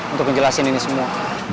untuk ngejelasin ini semua